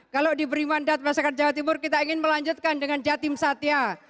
kalau diberi mandat masyarakat jawa timur kita ingin melanjutkan dengan jatim satya